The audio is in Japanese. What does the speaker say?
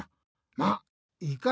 まっいいか。